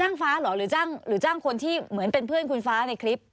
ฟ้าเหรอหรือจ้างคนที่เหมือนเป็นเพื่อนคุณฟ้าในคลิป